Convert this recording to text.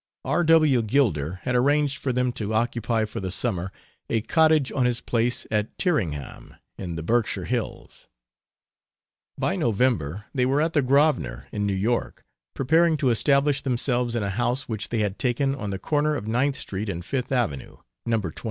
R. W. Gilder had arranged for them to occupy, for the summer, a cottage on his place at Tyringham, in the Berkshire Hills. By November they were at the Grosvenor, in New York, preparing to establish themselves in a house which they had taken on the corner of Ninth Street and Fifth Avenue Number 21.